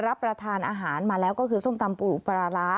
รับประทานอาหารมาแล้วก็คือส้มตำปลูกปลาร้า